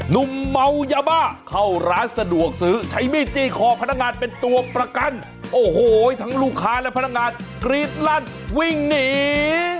หนุ่มเมายาบ้าเข้าร้านสะดวกซื้อใช้มีดจี้คอพนักงานเป็นตัวประกันโอ้โหทั้งลูกค้าและพนักงานกรี๊ดลั่นวิ่งหนี